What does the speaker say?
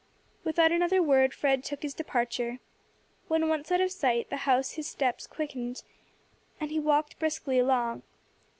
Without another word Fred took his departure. When once out of sight of the house his steps quickened, and he walked briskly along.